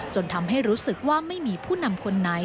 จนทำให้รู้สึกว่าไม่มีผู้นำคนไหน